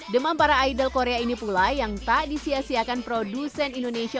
demam para idol korea ini pula yang tak disiasiakan produsen indonesia